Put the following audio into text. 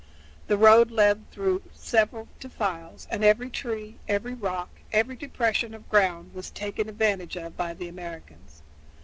The road led through several defiles, and every tree, every rock, every depression of ground was taken advantage of by the Americans.